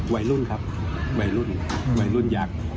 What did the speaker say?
วัยรุ่นครับวัยรุ่นยักษ์